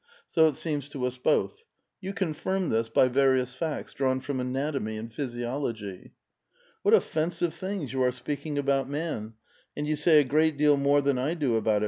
So it seems to us both. You confinned this bv various facts drawn from anatomy and physiology." *' What offensive things you are speaking about man, and you say a great deal more than I do about it, Vi^rotchka.